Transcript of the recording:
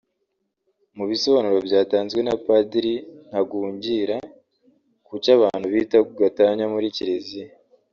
Mu bisobanuro byatanzwe na Padiri Ntagungira ku cyo abantu bita gatanya muri Kiliziya